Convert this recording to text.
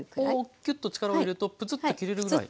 こうきゅっと力を入れるとプツッと切れるぐらい。